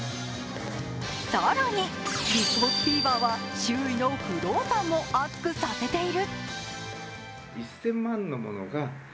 更に、ビッグボスフィーバーは周囲の不動産も熱くさせている。